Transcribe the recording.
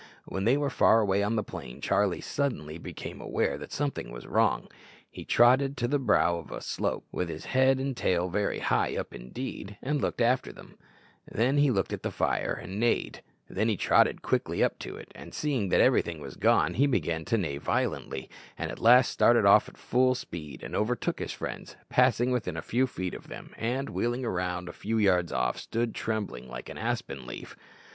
When they were far away on the plain, Charlie suddenly became aware that something was wrong. He trotted to the brow of a slope, with his head and tail very high up indeed, and looked after them; then he looked at the fire, and neighed; then he trotted quickly up to it, and seeing that everything was gone he began to neigh violently, and at last started off at full speed, and overtook his friends, passing within a few feet of them, and, wheeling round a few yards off, stood trembling like an aspen leaf.